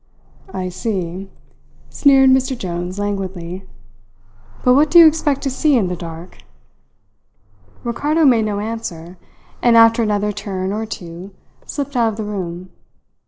"I see," sneered Mr. Jones languidly. "But what do you expect to see in the dark?" Ricardo made no answer, and after another turn or two slipped out of the room.